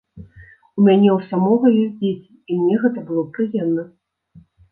У мяне ў самога ёсць дзеці і мне гэта было б прыемна.